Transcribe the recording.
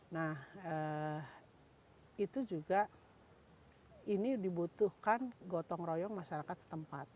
nah itu juga ini dibutuhkan gotong royong masyarakat setempat